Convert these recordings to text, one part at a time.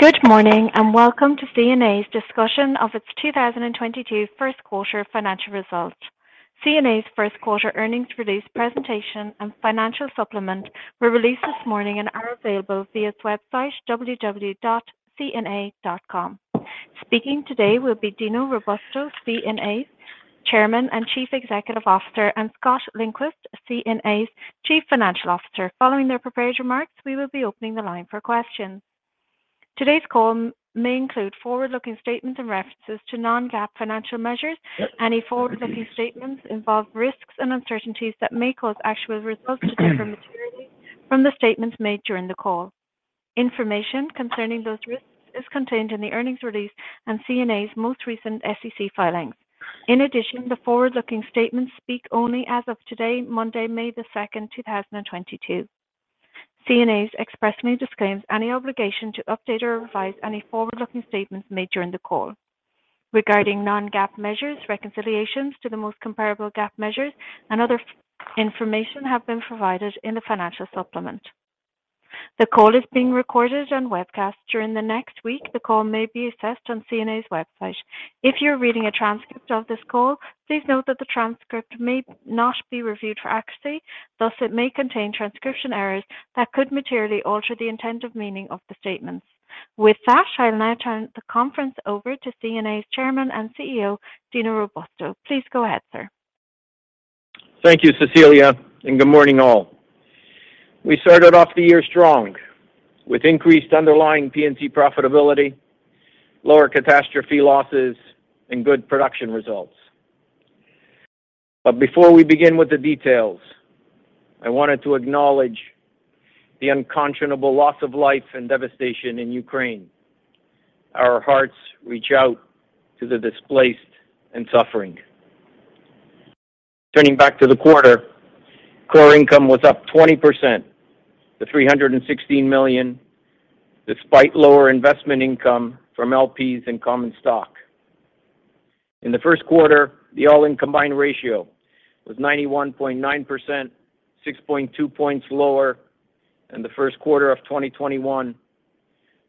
Good morning, and welcome to CNA's discussion of its 2022 first quarter financial results. CNA's first quarter earnings release presentation and financial supplement were released this morning and are available via its website www.cna.com. Speaking today will be Dino Robusto, CNA's Chairman and Chief Executive Officer, and Scott Lindquist, CNA's Chief Financial Officer. Following their prepared remarks, we will be opening the line for questions. Today's call may include forward-looking statements and references to non-GAAP financial measures. Any forward-looking statements involve risks and uncertainties that may cause actual results to differ materially from the statements made during the call. Information concerning those risks is contained in the earnings release and CNA's most recent SEC filings. In addition, the forward-looking statements speak only as of today, Monday, May 2nd, 2022. CNA expressly disclaims any obligation to update or revise any forward-looking statements made during the call. Regarding non-GAAP measures, reconciliations to the most comparable GAAP measures and other information have been provided in the financial supplement. The call is being recorded and webcast during the next week. The call may be accessed on CNA's website. If you're reading a transcript of this call, please note that the transcript may not be reviewed for accuracy, thus it may contain transcription errors that could materially alter the intended meaning of the statements. With that, I'll now turn the conference over to CNA's Chairman and CEO, Dino Robusto. Please go ahead, sir. Thank you, Cecilia, and good morning all. We started off the year strong with increased underlying P&C profitability, lower catastrophe losses, and good production results. Before we begin with the details, I wanted to acknowledge the unconscionable loss of life and devastation in Ukraine. Our hearts reach out to the displaced and suffering. Turning back to the quarter, core income was up 20% to $316 million, despite lower investment income from LPs and common stock. In the first quarter, the all-in combined ratio was 91.9%, 6.2 points lower than the first quarter of 2021,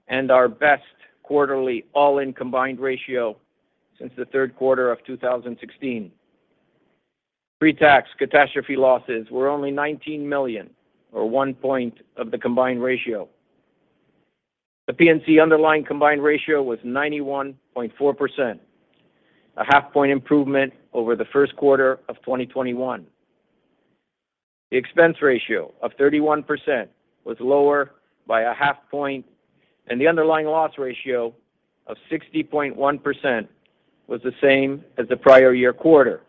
and our best quarterly all-in combined ratio since the third quarter of 2016. Pre-tax catastrophe losses were only $19 million or 1 point of the combined ratio. The P&C underlying combined ratio was 91.4%, a half point improvement over the first quarter of 2021. The expense ratio of 31% was lower by a half point, and the underlying loss ratio of 60.1% was the same as the prior year quarter.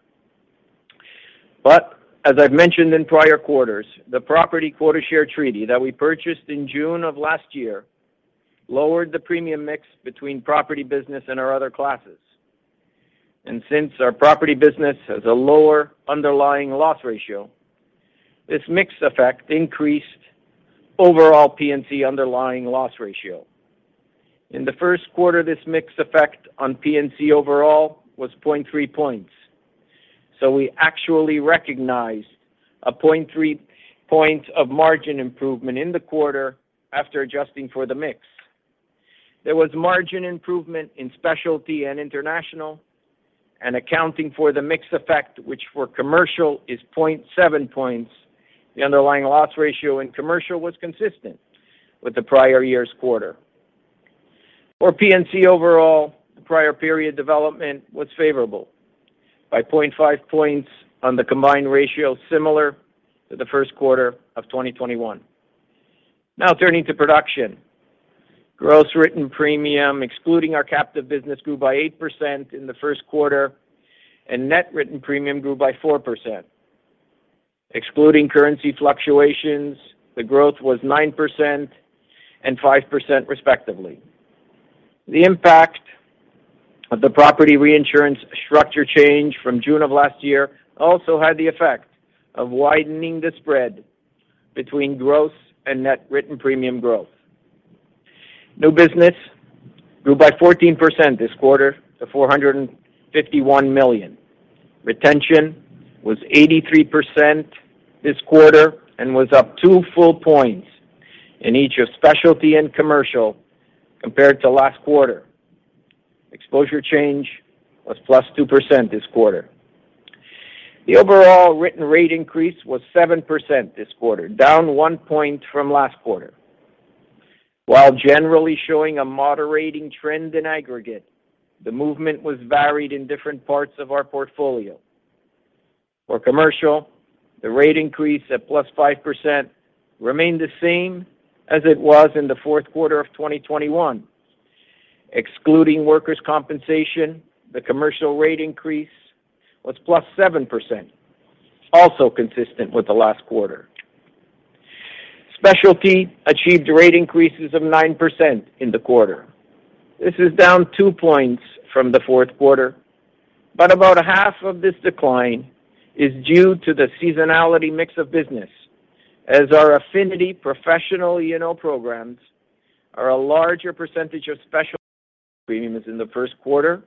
As I've mentioned in prior quarters, the property quota share treaty that we purchased in June of last year lowered the premium mix between property business and our other classes. Since our property business has a lower underlying loss ratio, this mix effect increased overall P&C underlying loss ratio. In the first quarter, this mix effect on P&C overall was 0.3 points. We actually recognized a 0.3 points of margin improvement in the quarter after adjusting for the mix. There was margin improvement in specialty and international, and accounting for the mix effect, which for commercial is 0.7 points. The underlying loss ratio in commercial was consistent with the prior year's quarter. For P&C overall, the prior period development was favorable by 0.5 points on the combined ratio similar to the first quarter of 2021. Now turning to production. Gross written premium, excluding our captive business, grew by 8% in the first quarter, and net written premium grew by 4%. Excluding currency fluctuations, the growth was 9% and 5%, respectively. The impact of the property reinsurance structure change from June of last year also had the effect of widening the spread between gross and net written premium growth. New business grew by 14% this quarter to $451 million. Retention was 83% this quarter and was up 2 full points in each of specialty and commercial compared to last quarter. Exposure change was +2% this quarter. The overall written rate increase was 7% this quarter, down 1 point from last quarter. While generally showing a moderating trend in aggregate, the movement was varied in different parts of our portfolio. For commercial, the rate increase at +5% remained the same as it was in the fourth quarter of 2021. Excluding workers' compensation, the commercial rate increase was +7%, also consistent with the last quarter. Specialty achieved rate increases of 9% in the quarter. This is down 2 points from the fourth quarter, but about half of this decline is due to the seasonality mix of business as our affinity professional E&O programs are a larger percentage of specialty premiums in the first quarter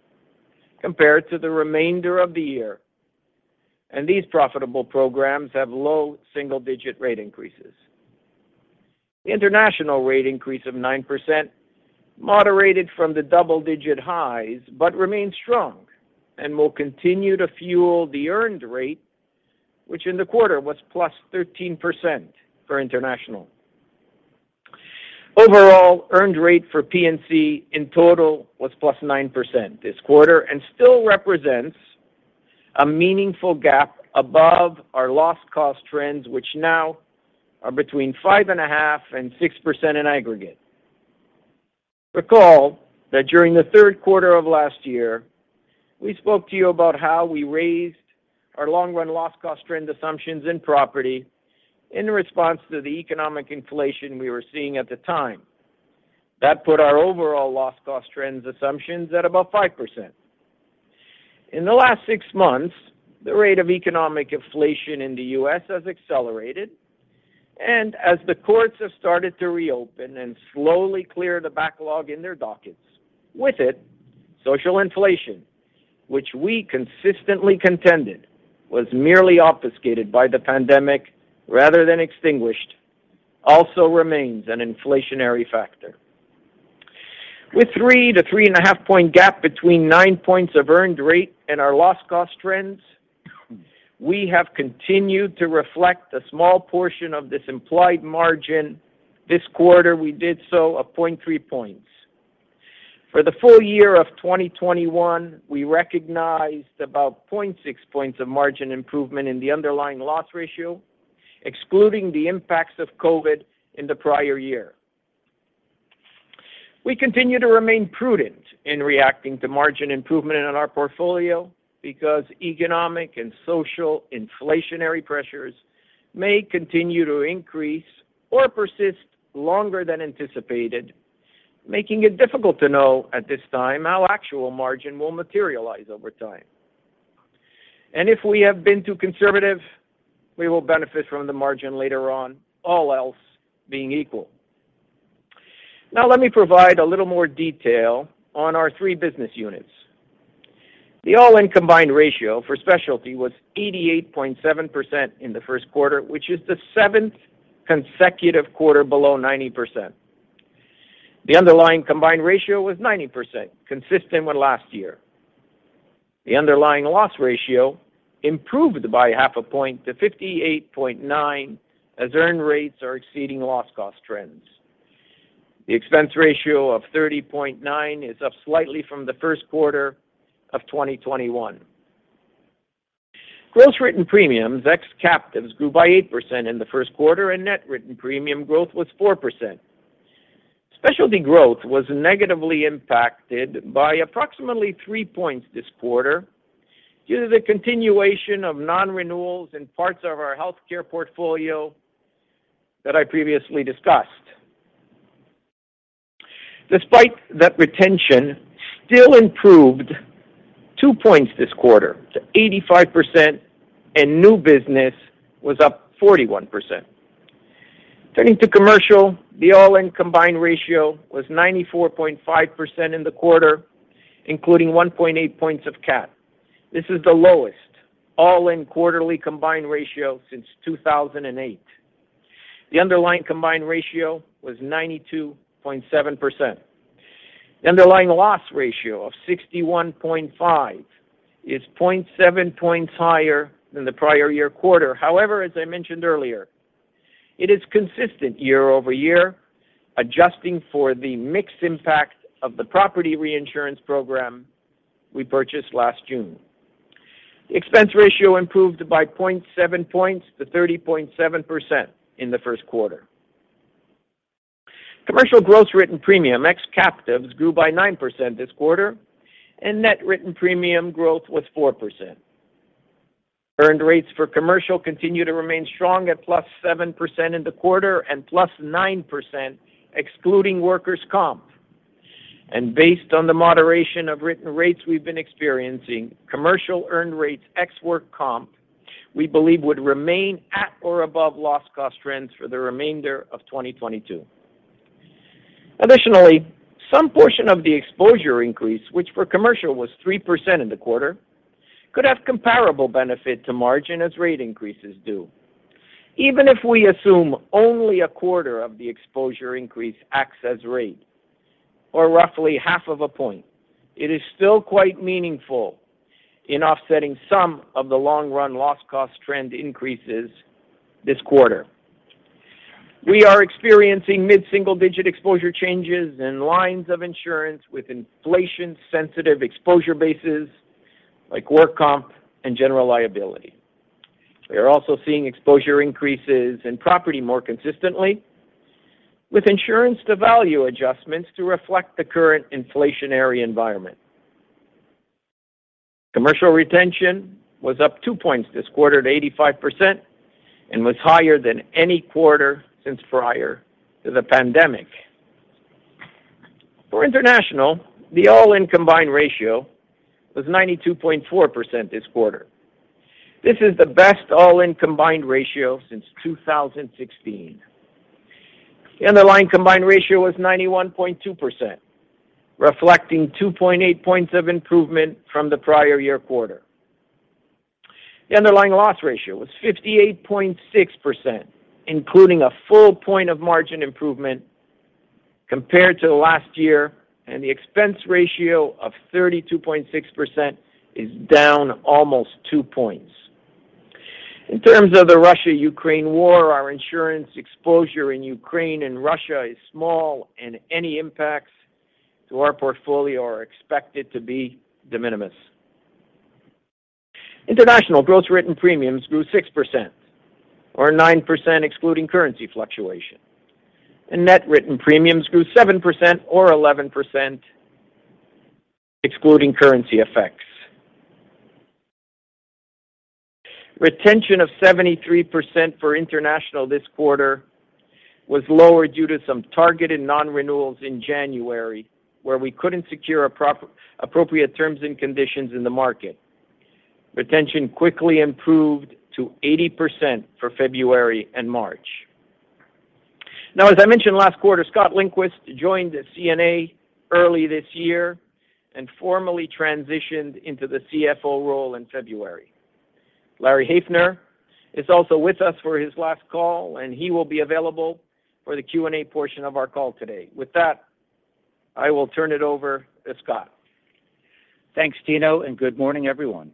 compared to the remainder of the year. These profitable programs have low single-digit rate increases. The international rate increase of 9% moderated from the double-digit highs, but remains strong and will continue to fuel the earned rate, which in the quarter was +13% for international. Overall, earned rate for P&C in total was +9% this quarter and still represents a meaningful gap above our loss cost trends, which now are between 5.5% and 6% in aggregate. Recall that during the third quarter of last year, we spoke to you about how we raised our long-run loss cost trend assumptions in property in response to the economic inflation we were seeing at the time. That put our overall loss cost trends assumptions at about 5%. In the last six months, the rate of economic inflation in the U.S. has accelerated, and as the courts have started to reopen and slowly clear the backlog in their dockets. With it, social inflation, which we consistently contended was merely obfuscated by the pandemic rather than extinguished, also remains an inflationary factor. With 3-3.5-point gap between 9% earned rate and our loss cost trends, we have continued to reflect a small portion of this implied margin. This quarter, we did so of 0.3 points. For the full year of 2021, we recognized about 0.6 points of margin improvement in the underlying loss ratio, excluding the impacts of COVID in the prior year. We continue to remain prudent in reacting to margin improvement in our portfolio because economic and social inflationary pressures may continue to increase or persist longer than anticipated, making it difficult to know at this time how actual margin will materialize over time. If we have been too conservative, we will benefit from the margin later on, all else being equal. Now, let me provide a little more detail on our three business units. The all-in combined ratio for specialty was 88.7% in the first quarter, which is the seventh consecutive quarter below 90%. The underlying combined ratio was 90%, consistent with last year. The underlying loss ratio improved by 0.5 point to 58.9 as earned rates are exceeding loss cost trends. The expense ratio of 30.9 is up slightly from the first quarter of 2021. Gross written premiums, ex captives, grew by 8% in the first quarter, and net written premium growth was 4%. Specialty growth was negatively impacted by approximately 3 points this quarter due to the continuation of non-renewals in parts of our healthcare portfolio that I previously discussed. Despite that retention still improved 2 points this quarter to 85% and new business was up 41%. Turning to commercial, the all-in combined ratio was 94.5% in the quarter, including 1.8 points of CAT. This is the lowest all-in quarterly combined ratio since 2008. The underlying combined ratio was 92.7%. The underlying loss ratio of 61.5 is 0.7 points higher than the prior year quarter. However, as I mentioned earlier, it is consistent year-over-year, adjusting for the mixed impact of the property reinsurance program we purchased last June. The expense ratio improved by 0.7 points to 30.7% in the first quarter. Commercial gross written premium, ex captives, grew by 9% this quarter, and net written premium growth was 4%. Earned rates for commercial continue to remain strong at +7% in the quarter and +9% excluding workers' comp. Based on the moderation of written rates we've been experiencing, commercial earned rates, ex work comp, we believe would remain at or above loss cost trends for the remainder of 2022. Additionally, some portion of the exposure increase, which for commercial was 3% in the quarter, could have comparable benefit to margin as rate increases due. Even if we assume only a quarter of the exposure increase acts as rate or roughly half of a point, it is still quite meaningful in offsetting some of the long-run loss cost trend increases this quarter. We are experiencing mid-single-digit exposure changes in lines of insurance with inflation-sensitive exposure bases like work comp and general liability. We are also seeing exposure increases in property more consistently with insurance to value adjustments to reflect the current inflationary environment. Commercial retention was up 2 points this quarter at 85% and was higher than any quarter since prior to the pandemic. For international, the all-in combined ratio was 92.4% this quarter. This is the best all-in combined ratio since 2016. The underlying combined ratio was 91.2%, reflecting 2.8 points of improvement from the prior year quarter. The underlying loss ratio was 58.6%, including a full point of margin improvement compared to last year, and the expense ratio of 32.6% is down almost 2 points. In terms of the Russia-Ukraine war, our insurance exposure in Ukraine and Russia is small, and any impacts to our portfolio are expected to be de minimis. International gross written premiums grew 6%, or 9% excluding currency fluctuation. Net written premiums grew 7% or 11% excluding currency effects. Retention of 73% for international this quarter was lower due to some targeted non-renewals in January, where we couldn't secure appropriate terms and conditions in the market. Retention quickly improved to 80% for February and March. Now as I mentioned last quarter, Scott Lindquist joined CNA early this year and formally transitioned into the CFO role in February. Larry Haefner is also with us for his last call, and he will be available for the Q&A portion of our call today. With that, I will turn it over to Scott. Thanks, Dino, and good morning, everyone.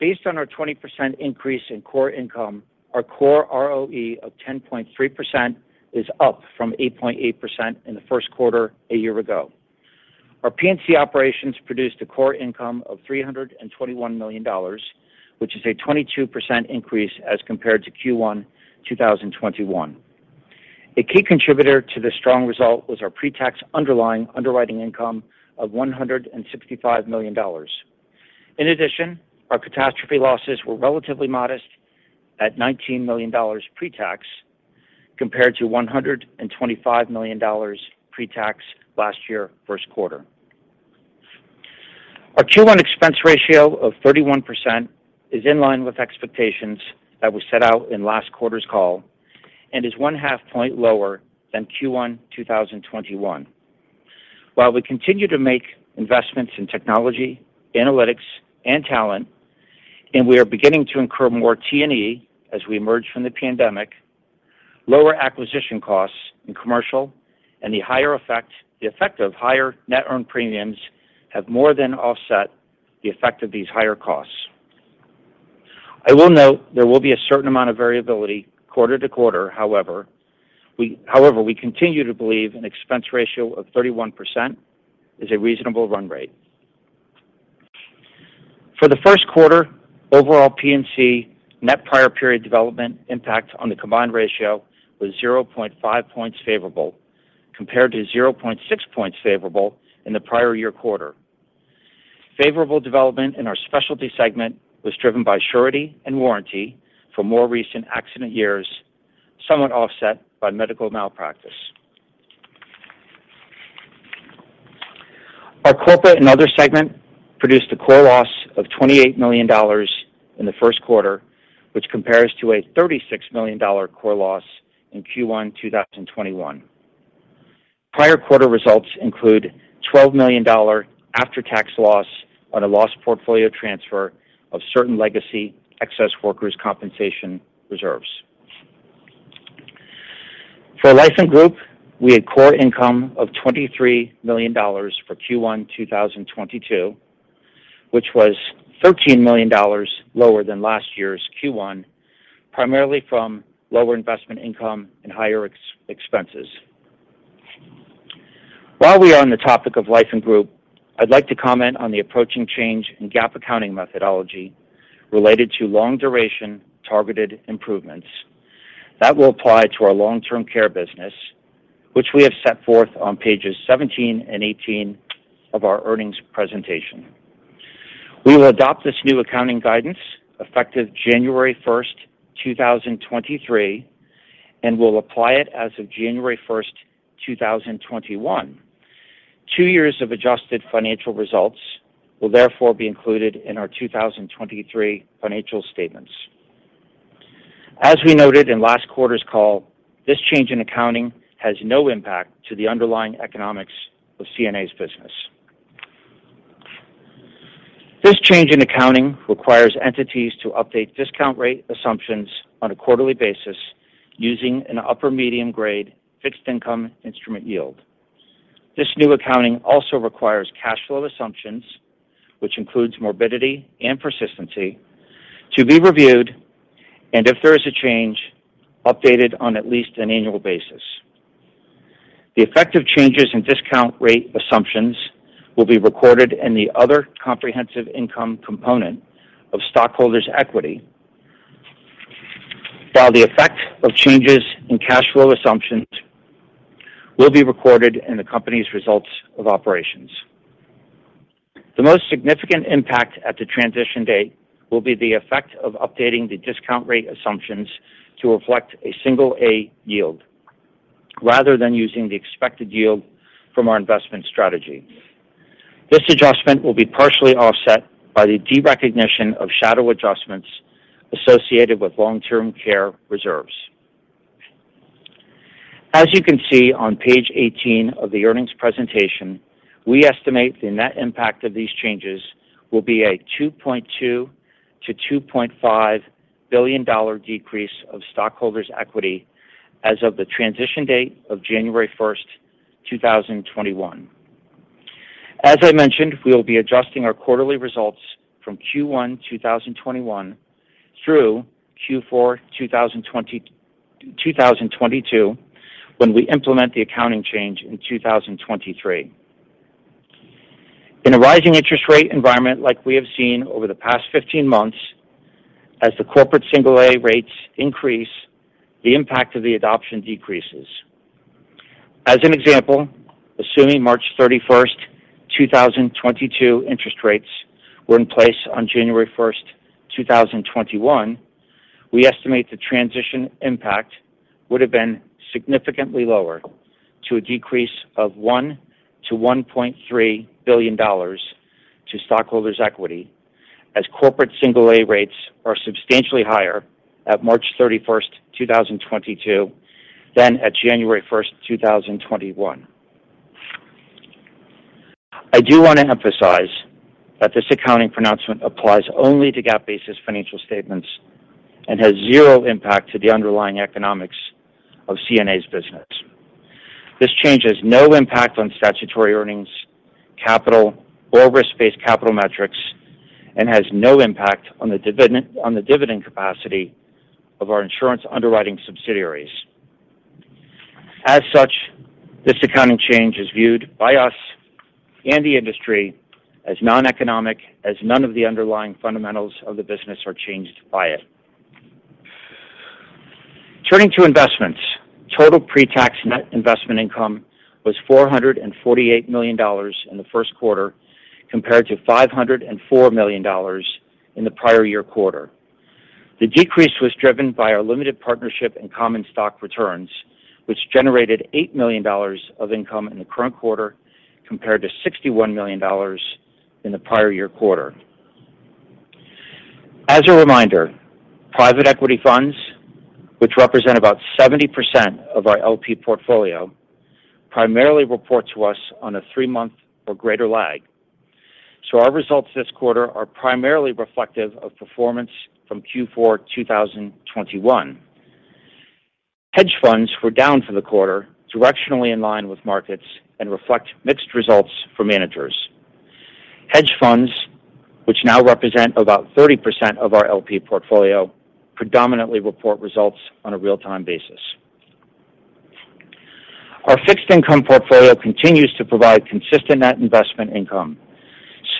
Based on our 20% increase in core income, our core ROE of 10.3% is up from 8.8% in the first quarter a year ago. Our P&C operations produced a core income of $321 million, which is a 22% increase as compared to Q1 2021. A key contributor to this strong result was our pre-tax underlying underwriting income of $165 million. In addition, our catastrophe losses were relatively modest at $19 million pre-tax compared to $125 million pre-tax last year first quarter. Our Q1 expense ratio of 31% is in line with expectations that we set out in last quarter's call and is one half point lower than Q1 2021. While we continue to make investments in technology, analytics, and talent, and we are beginning to incur more T&E as we emerge from the pandemic, lower acquisition costs in commercial and the effect of higher net earned premiums have more than offset the effect of these higher costs. I will note there will be a certain amount of variability quarter to quarter. However, we continue to believe an expense ratio of 31% is a reasonable run rate. For the first quarter, overall P&C net prior period development impact on the combined ratio was 0.5 points favorable compared to 0.6 points favorable in the prior year quarter. Favorable development in our specialty segment was driven by surety and warranty for more recent accident years, somewhat offset by medical malpractice. Our corporate and other segment produced a core loss of $28 million in the first quarter, which compares to a $36 million core loss in Q1 2021. Prior quarter results include $12 million after-tax loss on a loss portfolio transfer of certain legacy excess workers' compensation reserves. For Life & Group, we had core income of $23 million for Q1 2022, which was $13 million lower than last year's Q1, primarily from lower investment income and higher expenses. While we are on the topic of Life & Group, I'd like to comment on the approaching change in GAAP accounting methodology related to long-duration targeted improvements that will apply to our long-term care business, which we have set forth on pages 17 and 18 of our earnings presentation. We will adopt this new accounting guidance effective January 1st, 2023, and will apply it as of January 1st, 2021. Two years of adjusted financial results will therefore be included in our 2023 financial statements. As we noted in last quarter's call, this change in accounting has no impact to the underlying economics of CNA's business. This change in accounting requires entities to update discount rate assumptions on a quarterly basis using an upper medium grade fixed income instrument yield. This new accounting also requires cash flow assumptions, which includes morbidity and persistency, to be reviewed, and if there is a change, updated on at least an annual basis. The effect of changes in discount rate assumptions will be recorded in the other comprehensive income component of stockholders' equity, while the effect of changes in cash flow assumptions will be recorded in the company's results of operations. The most significant impact at the transition date will be the effect of updating the discount rate assumptions to reflect a single-A yield rather than using the expected yield from our investment strategy. This adjustment will be partially offset by the derecognition of shadow adjustments associated with long-term care reserves. As you can see on page 18 of the earnings presentation, we estimate the net impact of these changes will be a $2.2 billion-$2.5 billion decrease of stockholders' equity as of the transition date of January 1st, 2021. As I mentioned, we will be adjusting our quarterly results from Q1 2021 through Q4 2022 when we implement the accounting change in 2023. In a rising interest rate environment like we have seen over the past 15 months, as the corporate single-A rates increase, the impact of the adoption decreases. As an example, assuming March 31st, 2022 interest rates were in place on January 1st, 2021, we estimate the transition impact would have been significantly lower, to a decrease of $1 billion-$1.3 billion to stockholders' equity as corporate single-A rates are substantially higher at March 31st, 2022 than at January 1st, 2021. I do want to emphasize that this accounting pronouncement applies only to GAAP-basis financial statements and has zero impact to the underlying economics of CNA's business. This change has no impact on statutory earnings, capital, or risk-based capital metrics, and has no impact on the dividend capacity of our insurance underwriting subsidiaries. As such, this accounting change is viewed by us and the industry as non-economic as none of the underlying fundamentals of the business are changed by it. Turning to investments. Total pre-tax net investment income was $448 million in the first quarter compared to $504 million in the prior year quarter. The decrease was driven by our limited partnership and common stock returns, which generated $80 million of income in the current quarter compared to $61 million in the prior year quarter. As a reminder, private equity funds, which represent about 70% of our LP portfolio, primarily report to us on a three-month or greater lag. Our results this quarter are primarily reflective of performance from Q4 2021. Hedge funds were down for the quarter directionally in line with markets and reflect mixed results for managers. Hedge funds, which now represent about 30% of our LP portfolio, predominantly report results on a real-time basis. Our fixed income portfolio continues to provide consistent net investment income,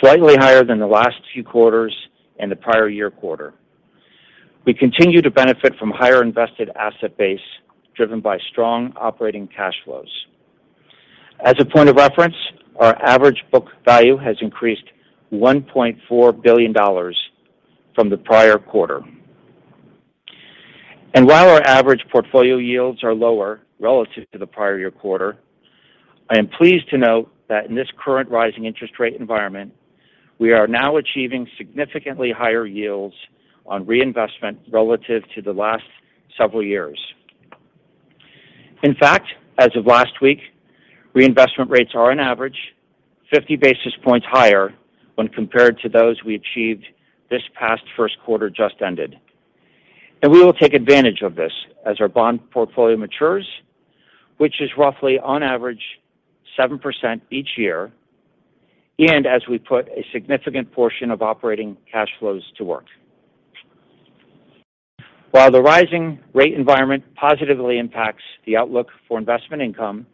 slightly higher than the last few quarters and the prior year quarter. We continue to benefit from higher invested asset base driven by strong operating cash flows. As a point of reference, our average book value has increased $1.4 billion from the prior quarter. While our average portfolio yields are lower relative to the prior year quarter, I am pleased to note that in this current rising interest rate environment, we are now achieving significantly higher yields on reinvestment relative to the last several years. In fact, as of last week, reinvestment rates are on average 50 basis points higher when compared to those we achieved this past first quarter just ended. We will take advantage of this as our bond portfolio matures, which is roughly on average 7% each year, and as we put a significant portion of operating cash flows to work. While the rising rate environment positively impacts the outlook for investment income,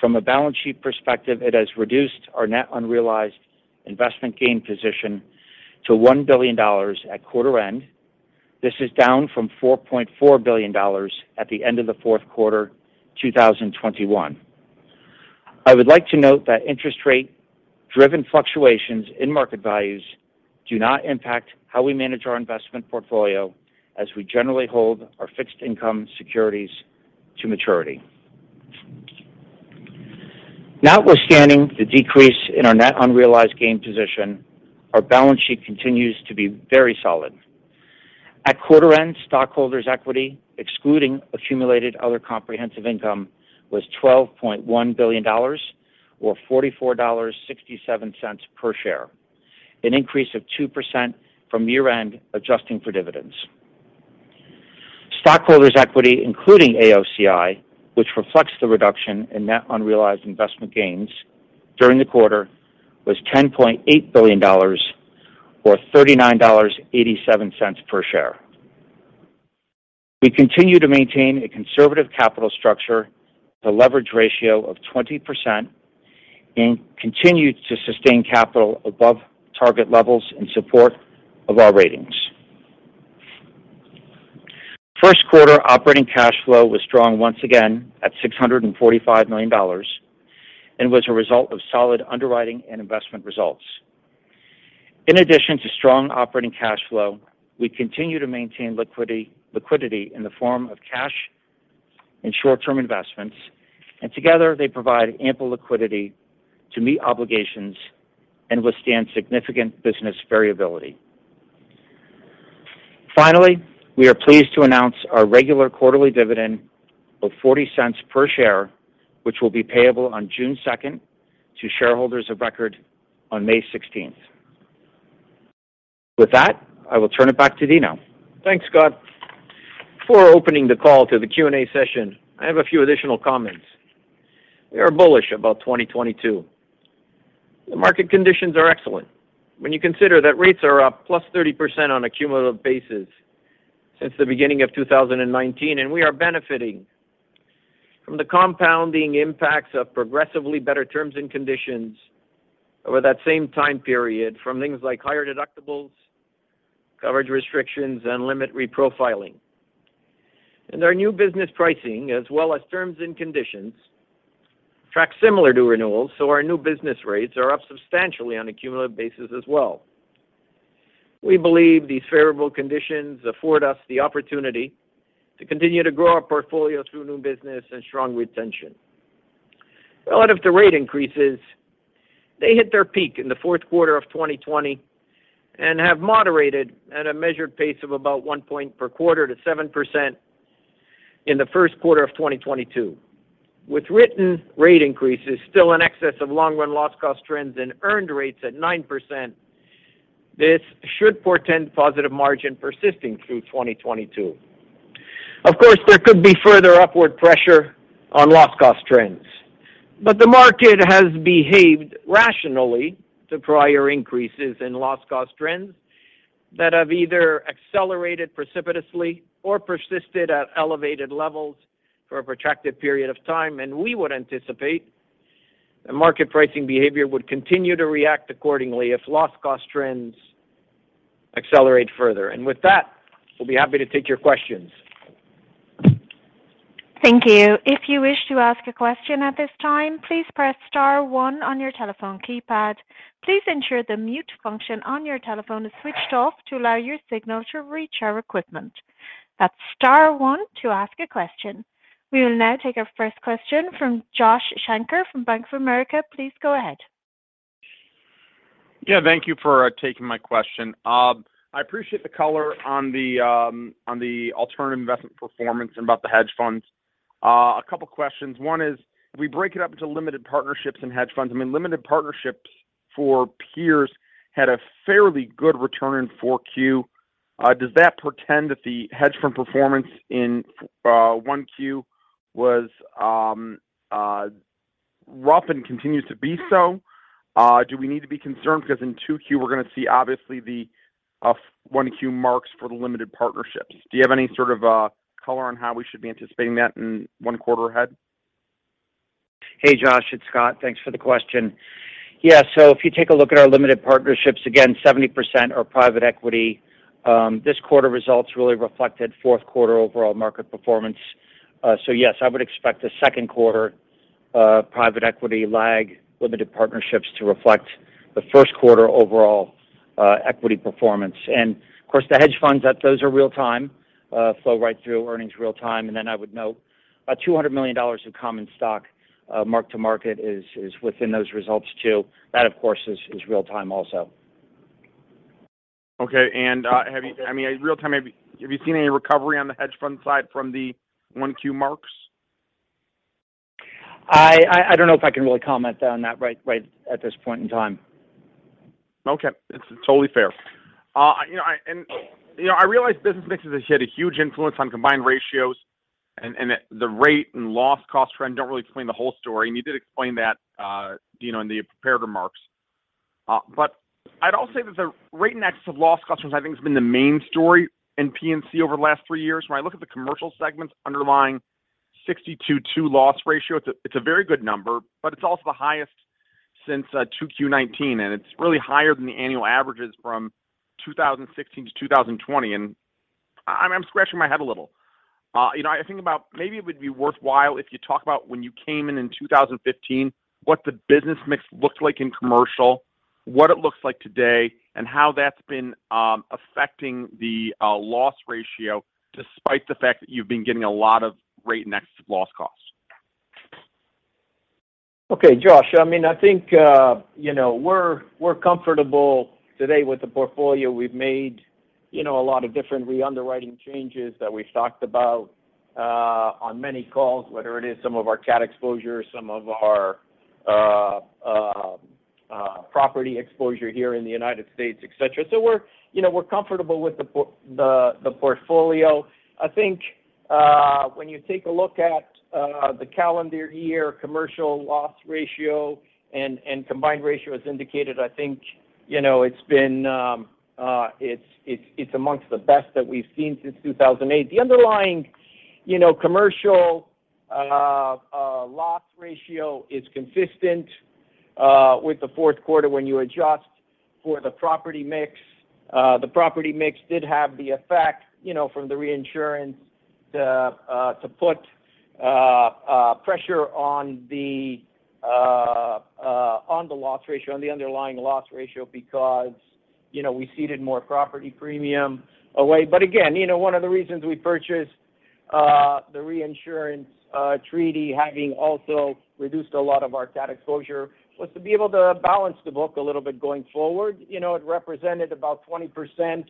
from a balance sheet perspective, it has reduced our net unrealized investment gain position to $1 billion at quarter end. This is down from $4.4 billion at the end of the fourth quarter 2021. I would like to note that interest rate-driven fluctuations in market values do not impact how we manage our investment portfolio as we generally hold our fixed income securities to maturity. Notwithstanding the decrease in our net unrealized gain position, our balance sheet continues to be very solid. At quarter end, stockholders' equity, excluding accumulated other comprehensive income, was $12.1 billion or $44.67 per share, an increase of 2% from year-end adjusting for dividends. Stockholders' equity, including AOCI, which reflects the reduction in net unrealized investment gains during the quarter, was $10.8 billion or $39.87 per share. We continue to maintain a conservative capital structure with a leverage ratio of 20% and continue to sustain capital above target levels in support of our ratings. First quarter operating cash flow was strong once again at $645 million and was a result of solid underwriting and investment results. In addition to strong operating cash flow, we continue to maintain liquidity in the form of cash and short-term investments, and together they provide ample liquidity to meet obligations and withstand significant business variability. Finally, we are pleased to announce our regular quarterly dividend of $0.40 per share, which will be payable on June second to shareholders of record on May sixteenth. With that, I will turn it back to Dino. Thanks, Scott. Before opening the call to the Q&A session, I have a few additional comments. We are bullish about 2022. The market conditions are excellent when you consider that rates are up plus 30% on a cumulative basis since the beginning of 2019, and we are benefiting from the compounding impacts of progressively better terms and conditions over that same time period from things like higher deductibles, coverage restrictions, and limit reprofiling. Our new business pricing as well as terms and conditions track similar to renewals, so our new business rates are up substantially on a cumulative basis as well. We believe these favorable conditions afford us the opportunity to continue to grow our portfolio through new business and strong retention. A lot of the rate increases, they hit their peak in the fourth quarter of 2020 and have moderated at a measured pace of about 1 point per quarter to 7% in the first quarter of 2022. With written rate increases still in excess of long run loss cost trends and earned rates at 9%, this should portend positive margin persisting through 2022. Of course, there could be further upward pressure on loss cost trends. The market has behaved rationally to prior increases in loss cost trends that have either accelerated precipitously or persisted at elevated levels for a protracted period of time. We would anticipate that market pricing behavior would continue to react accordingly if loss cost trends accelerate further. With that, we'll be happy to take your questions. Thank you. If you wish to ask a question at this time, please press star one on your telephone keypad. Please ensure the mute function on your telephone is switched off to allow your signal to reach our equipment. That's star one to ask a question. We will now take our first question from Josh Shanker from Bank of America. Please go ahead. Yeah. Thank you for taking my question. I appreciate the color on the alternative investment performance and about the hedge funds. A couple questions. One is, we break it up into limited partnerships and hedge funds. I mean, limited partnerships for peers had a fairly good return in 4Q. Does that portend that the hedge fund performance in 1Q was rough and continues to be so? Do we need to be concerned because in 2Q, we're going to see obviously the 1Q marks for the limited partnerships? Do you have any sort of color on how we should be anticipating that in one quarter ahead? Hey, Josh. It's Scott. Thanks for the question. Yeah. If you take a look at our limited partnerships, again, 70% are private equity. This quarter results really reflected fourth quarter overall market performance. Yes, I would expect the second quarter private equity lag limited partnerships to reflect the first quarter overall equity performance. Of course, the hedge funds that those are real-time flow right through earnings real time. Then I would note $200 million of common stock mark-to-market is within those results too. That, of course, is real time also. Okay, I mean, real time, have you seen any recovery on the hedge fund side from the 1Q marks? I don't know if I can really comment on that right at this point in time. Okay. It's totally fair. You know, I realize business mixes had a huge influence on combined ratios and the rate and loss cost trend don't really explain the whole story, and you did explain that, you know, in the prepared remarks. I'd also say that the rate and excess of loss cost trends I think has been the main story in P&C over the last three years. When I look at the commercial segments underlying 62.2 loss ratio, it's a very good number, but it's also the highest since 2Q 2019, and it's really higher than the annual averages from 2016 to 2020. I'm scratching my head a little. You know, I think about maybe it would be worthwhile if you talk about when you came in in 2015, what the business mix looked like in commercial, what it looks like today, and how that's been affecting the loss ratio despite the fact that you've been getting a lot of rate and excess loss cost. Okay, Josh. I mean, I think, you know, we're comfortable today with the portfolio. We've made, you know, a lot of different re-underwriting changes that we've talked about, on many calls, whether it is some of our CAT exposure, some of our property exposure here in the United States, et cetera. We're, you know, comfortable with the portfolio. I think, when you take a look at the calendar year commercial loss ratio and combined ratio as indicated, I think, you know, it's been, it's amongst the best that we've seen since 2008. The underlying, you know, commercial loss ratio is consistent with the fourth quarter when you adjust for the property mix. The property mix did have the effect, you know, from the reinsurance to put pressure on the loss ratio, on the underlying loss ratio because, you know, we ceded more property premium away. Again, you know, one of the reasons we purchased the reinsurance treaty having also reduced a lot of our CAT exposure was to be able to balance the book a little bit going forward. You know, it represented about 20%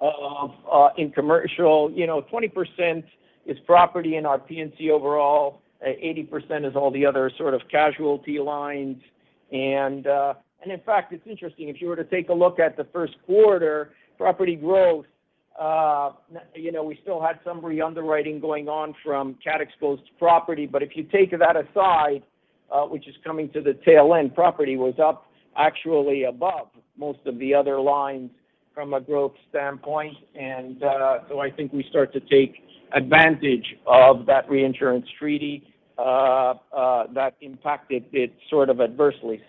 of in commercial. You know, 20% is property in our P&C overall, 80% is all the other sort of casualty lines. In fact, it's interesting, if you were to take a look at the first quarter property growth, you know, we still had some reunderwriting going on from CAT exposed property. If you take that aside, which is coming to the tail end, property was up actually above most of the other lines from a growth standpoint. I think we start to take advantage of that reinsurance treaty that impacted it sort of adversely.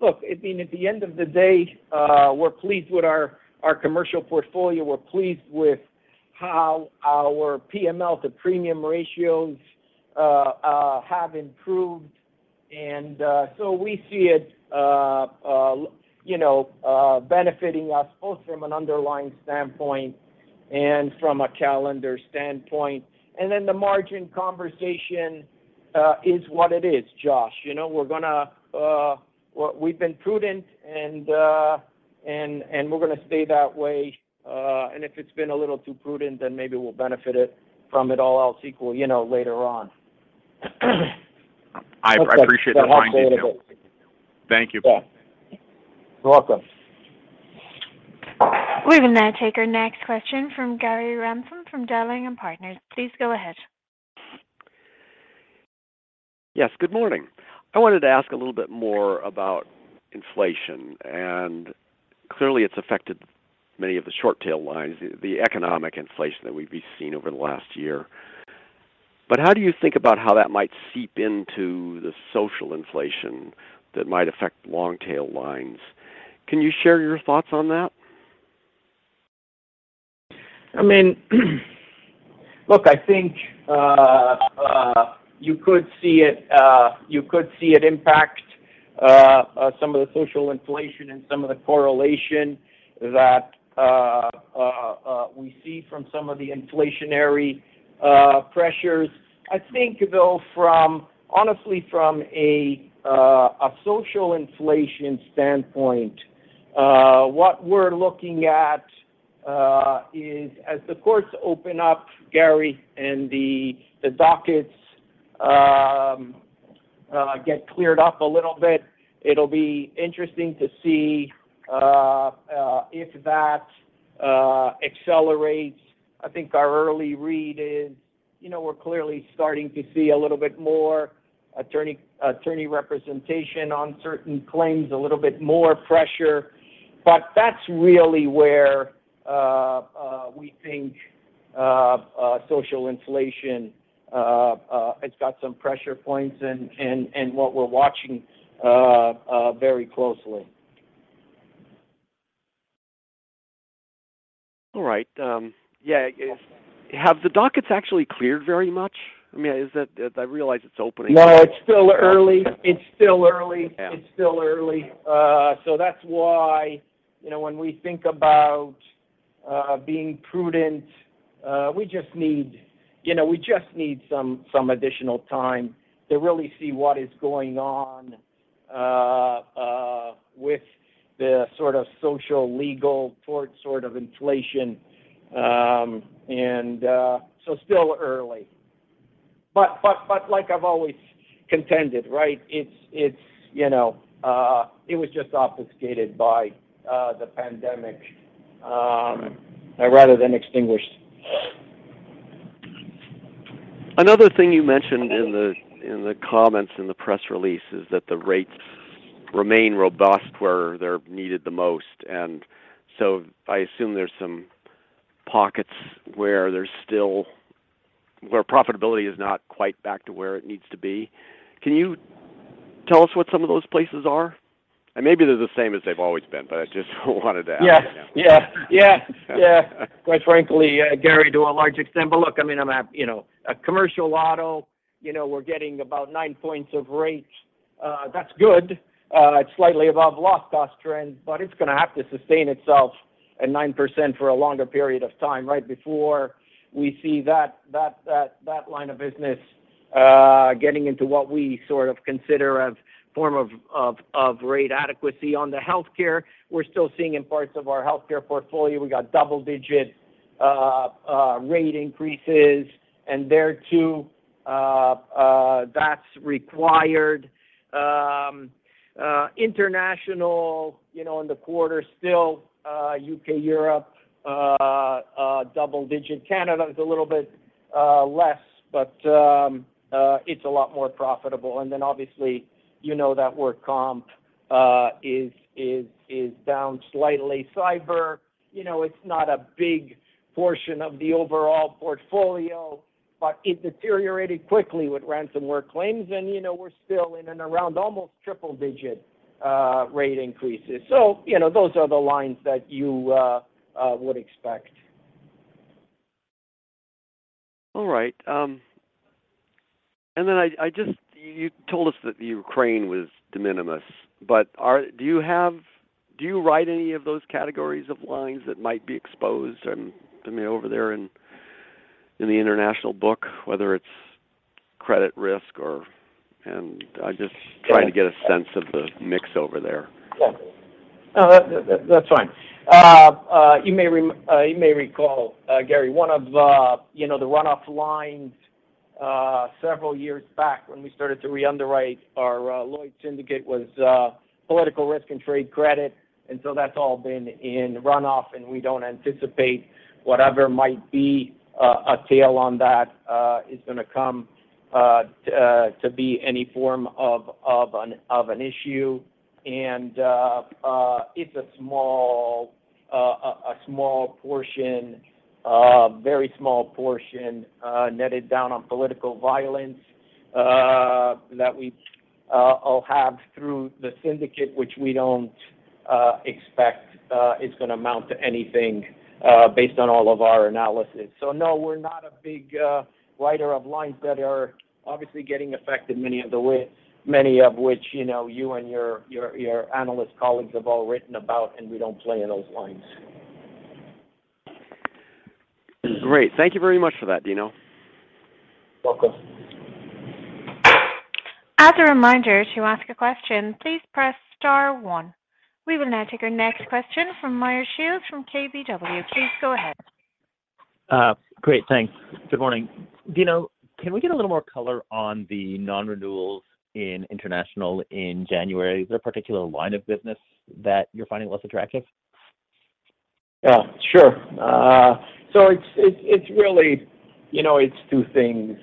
Look, I mean, at the end of the day, we're pleased with our commercial portfolio. We're pleased with how our PML to premium ratios have improved. We see it, you know, benefiting us both from an underlying standpoint and from a calendar standpoint. The margin conversation is what it is, Josh. You know, we're gonna. We've been prudent and we're gonna stay that way. If it's been a little too prudent, then maybe we'll benefit from it all else equal, you know, later on. I appreciate that fine detail. That's the hard part of it. Thank you. Yeah. You're welcome. We will now take our next question from Gary Ransom from Dowling & Partners. Please go ahead. Yes, good morning. I wanted to ask a little bit more about inflation, and clearly it's affected many of the short tail lines, the economic inflation that we've been seeing over the last year. How do you think about how that might seep into the social inflation that might affect long tail lines? Can you share your thoughts on that? I mean, look, I think you could see it impact some of the social inflation and some of the correlation that we see from some of the inflationary pressures. I think though, from, honestly, a social inflation standpoint, what we're looking at is as the courts open up, Gary, and the dockets get cleared up a little bit, it'll be interesting to see if that accelerates. I think our early read is, you know, we're clearly starting to see a little bit more attorney representation on certain claims, a little bit more pressure. That's really where we think social inflation it's got some pressure points and what we're watching very closely. All right. Yeah, have the dockets actually cleared very much? I mean, is that? I realize it's opening- No, it's still early. It's still early. Okay. It's still early. That's why, you know, when we think about being prudent, we just need, you know, we just need some additional time to really see what is going on with the sort of social, legal toward sort of inflation. Still early. Like I've always contended, right? You know, it was just obfuscated by the pandemic rather than extinguished. Another thing you mentioned in the comments in the press release is that the rates remain robust where they're needed the most. I assume there's some pockets where profitability is not quite back to where it needs to be. Can you tell us what some of those places are? Maybe they're the same as they've always been, but I just wanted to ask. Yeah. Quite frankly, Gary, to a large extent. Look, I mean, I'm, you know, a commercial auto, you know, we're getting about 9 points of rates. That's good. It's slightly above loss cost trend, but it's gonna have to sustain itself at 9% for a longer period of time, right? Before we see that line of business getting into what we sort of consider a form of rate adequacy. On the healthcare, we're still seeing in parts of our healthcare portfolio, we got double-digit rate increases, and there too, that's required. International, you know, in the quarter still, U.K., Europe, double-digit. Canada is a little bit less, but it's a lot more profitable. Then obviously, you know that work comp is down slightly. Cyber, you know, it's not a big portion of the overall portfolio, but it deteriorated quickly with ransomware claims. You know, we're still in and around almost triple digit rate increases. You know, those are the lines that you would expect. All right. I just, you told us that the Ukraine was de minimis, but do you write any of those categories of lines that might be exposed, you know, over there in the international book. I'm just trying to get a sense of the mix over there. Yeah. No, that's fine. You may recall, Gary, one of the, you know, the runoff lines, several years back when we started to re-underwrite our Lloyd's Syndicate was political risk and trade credit. That's all been in runoff, and we don't anticipate whatever might be a tail on that is gonna come to be any form of an issue. It's a small portion, a very small portion, netted down on political violence that we all have through the syndicate, which we don't expect is gonna amount to anything based on all of our analysis. No, we're not a big writer of lines that are obviously getting affected, many of which, you know, you and your analyst colleagues have all written about, and we don't play in those lines. Great. Thank you very much for that, Dino. You're welcome. As a reminder, to ask a question, please press star one. We will now take our next question from Meyer Shields from KBW. Please go ahead. Great. Thanks. Good morning. Dino, can we get a little more color on the non-renewals in international in January? Is there a particular line of business that you're finding less attractive? Yeah, sure. It's really, you know, it's two things.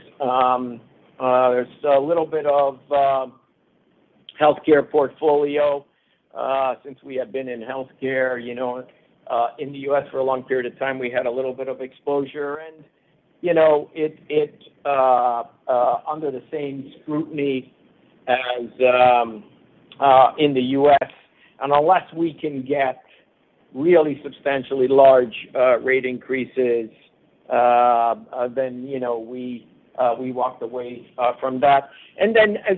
There's a little bit of healthcare portfolio since we have been in healthcare, you know, in the U.S. for a long period of time. We had a little bit of exposure. You know, it's under the same scrutiny as in the U.S. Unless we can get really substantially large rate increases, then you know, we walked away from that. As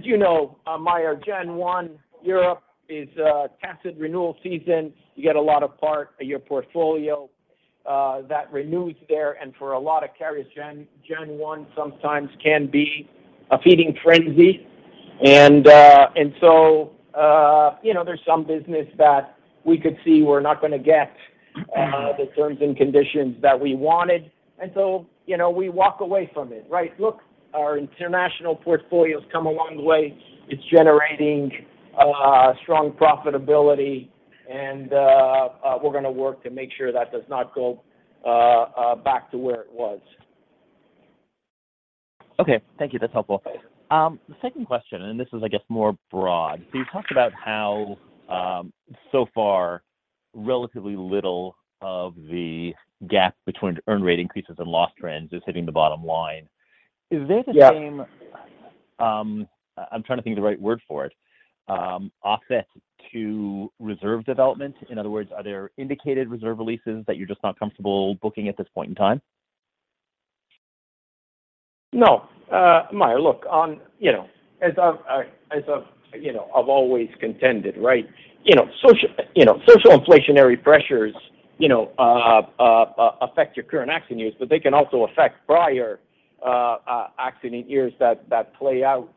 you know, Meyer, January 1 in Europe is a tight renewal season. You get a large part of your portfolio that renews there. For a lot of carriers, then January 1 sometimes can be a feeding frenzy. You know, there's some business that we could see we're not gonna get the terms and conditions that we wanted, and so, you know, we walk away from it, right? Look, our international portfolio has come a long way. It's generating strong profitability and we're gonna work to make sure that does not go back to where it was. Okay. Thank you. That's helpful. The second question, and this is, I guess, more broad. You talked about how, so far, relatively little of the gap between earned rate increases and loss trends is hitting the bottom line. Yeah. Is there the same, I'm trying to think of the right word for it, offset to reserve development? In other words, are there indicated reserve releases that you're just not comfortable booking at this point in time? No. Meyer, look on, you know, as I've, you know, I've always contended, right? You know, social inflationary pressures, you know, affect your current accident years, but they can also affect prior accident years that play out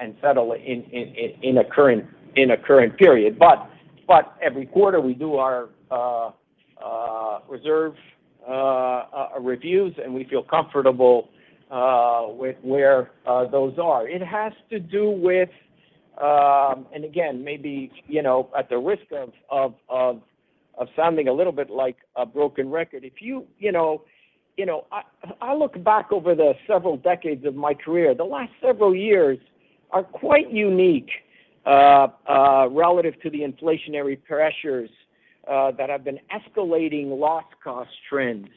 and settle in a current period. Every quarter we do our reserve reviews, and we feel comfortable with where those are. It has to do with, and again, maybe you know, at the risk of sounding a little bit like a broken record. If you know, I look back over the several decades of my career, the last several years are quite unique relative to the inflationary pressures that have been escalating loss cost trends.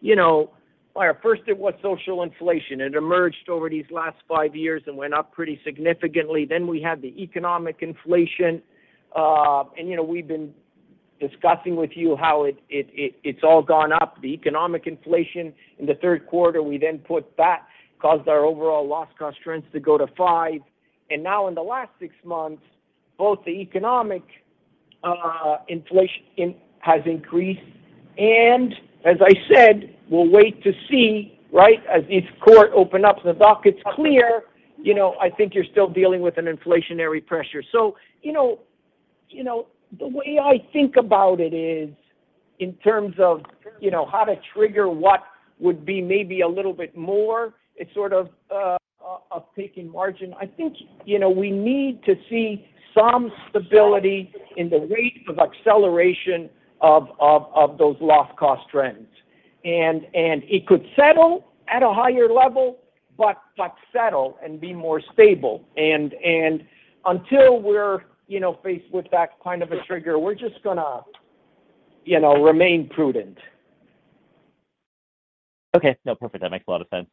You know, Meyer, first it was social inflation. It emerged over these last five years and went up pretty significantly. We had the economic inflation. You know, we've been discussing with you how it's all gone up. The economic inflation in the third quarter, we then put that caused our overall loss cost trends to go to 5%. Now in the last six months, both the economic inflation has increased. As I said, we'll wait to see, right? As each court open up, the docket's clear. You know, I think you're still dealing with an inflationary pressure. You know, the way I think about it is in terms of how to trigger what would be maybe a little bit more, it's sort of a taking margin. I think, you know, we need to see some stability in the rate of acceleration of those loss cost trends. It could settle at a higher level, but settle and be more stable. Until we're, you know, faced with that kind of a trigger, we're just gonna, you know, remain prudent. Okay. No, perfect. That makes a lot of sense.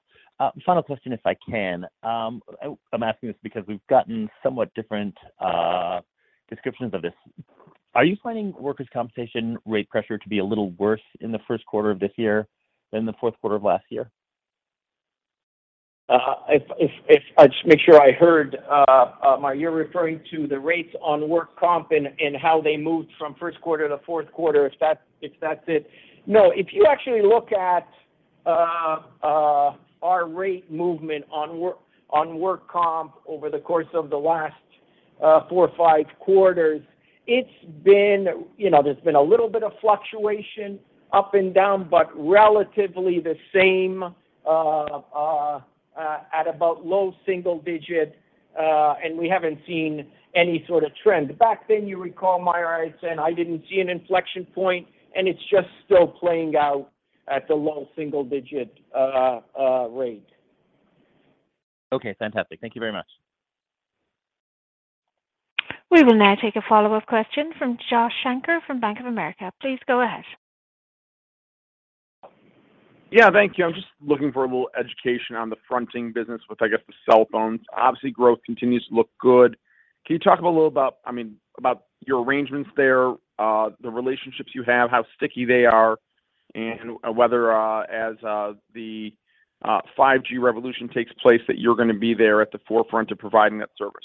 Final question, if I can. I'm asking this because we've gotten somewhat different descriptions of this. Are you planning workers' compensation rate pressure to be a little worse in the first quarter of this year than the fourth quarter of last year? I just make sure I heard, Meyer. You're referring to the rates on work comp and how they moved from first quarter to fourth quarter, if that's it. No, if you actually look at our rate movement on work comp over the course of the last four or five quarters, it's been, you know, there's been a little bit of fluctuation up and down, but relatively the same at about low single digit. We haven't seen any sort of trend. Back then you recall, Meyer, I said I didn't see an inflection point, and it's just still playing out at the low single digit rate. Okay, fantastic. Thank you very much. We will now take a follow-up question from Josh Shanker from Bank of America. Please go ahead. Yeah, thank you. I'm just looking for a little education on the fronting business with, I guess, the cell phones. Obviously, growth continues to look good. Can you talk a little about, I mean, about your arrangements there, the relationships you have, how sticky they are, and whether, as the 5G revolution takes place, that you're gonna be there at the forefront of providing that service?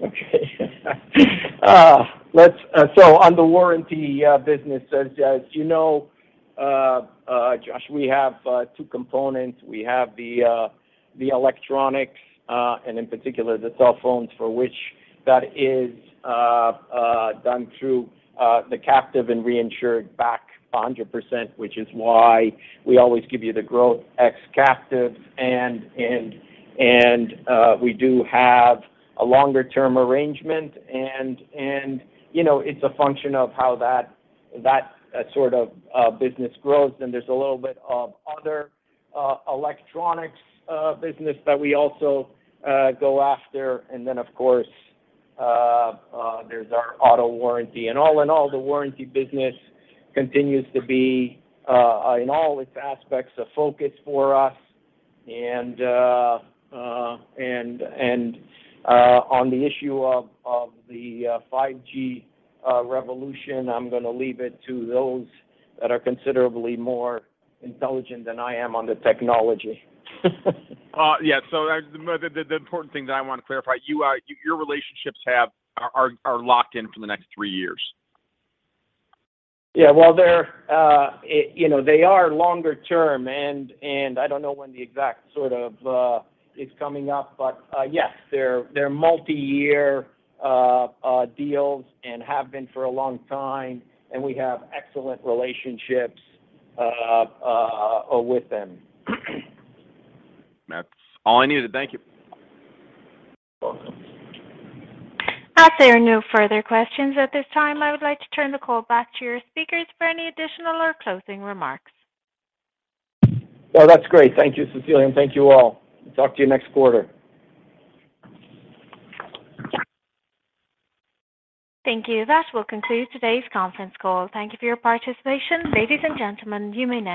Okay. On the warranty business, as you know, Josh, we have two components. We have the electronics and in particular the cell phones for which that is done through the captive and reinsured back 100%, which is why we always give you the growth ex captive. We do have a longer-term arrangement and, you know, it's a function of how that sort of business grows. There's a little bit of other electronics business that we also go after. Of course, there's our auto warranty. All in all, the warranty business continues to be in all its aspects, a focus for us. On the issue of the 5G revolution, I'm gonna leave it to those that are considerably more intelligent than I am on the technology. The important thing that I wanna clarify, your relationships are locked in for the next three years. Yeah. Well, they're, you know, they are longer term and I don't know when the exact sort of is coming up, but yes, they're multi-year deals and have been for a long time, and we have excellent relationships with them. That's all I needed. Thank you. You're welcome. As there are no further questions at this time, I would like to turn the call back to your speakers for any additional or closing remarks. Well, that's great. Thank you, Cecilia, and thank you all. Talk to you next quarter. Thank you. That will conclude today's conference call. Thank you for your participation. Ladies and gentlemen, you may now disconnect.